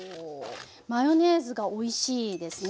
マヨネーズがおいしいですね。